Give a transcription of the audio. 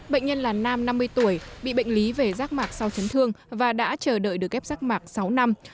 bệnh nhân là nam năm mươi tuổi bị bệnh lý về rác mạc sau chấn thương và đã chờ đợi được ghép rác mạc sáu năm